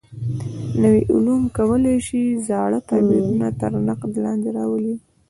نوي علوم کولای شي زاړه تعبیرونه تر نقد لاندې راولي.